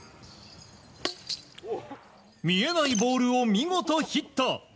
見えないボールを見事ヒット。